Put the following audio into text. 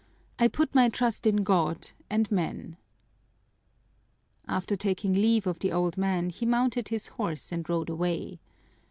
I put my trust in God and men!" After taking leave of the old man he mounted his horse and rode away.